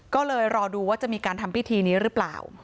ก็เลยรอดูว่าจะมีการทำพิธีนี้หรือเปล่า